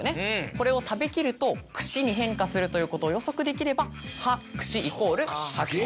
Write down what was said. これを食べきると串に変化するということを予測できれば「葉」「串」イコール「はくし」。